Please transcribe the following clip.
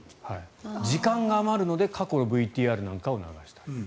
時間が余るので過去のＶＴＲなんかを流していた。